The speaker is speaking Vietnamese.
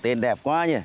tên đẹp quá nhỉ